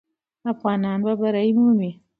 افغانان به بری ومومي.